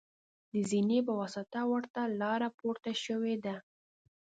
د زینې په واسطه ورته لاره پورته شوې ده.